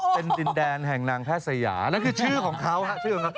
เป็นดินแดนแห่งนางแพทย์สยานั่นคือชื่อของเขาครับ